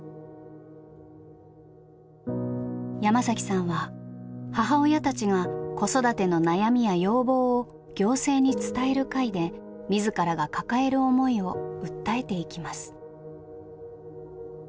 山さんは母親たちが子育ての悩みや要望を行政に伝える会で自らが抱える思いを訴えていきます。